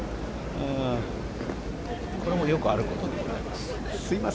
これもよくあることでございます。